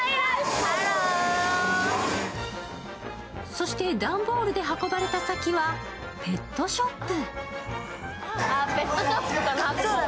そして段ボールで運ばれた先はペットショップ。